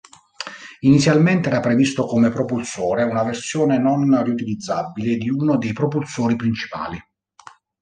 Inizialmente era previsto come propulsore una versione non riutilizzabile di uno dei propulsori principali.